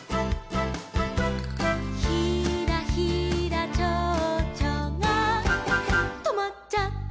「ひらひらちょうちょがとまっちゃった」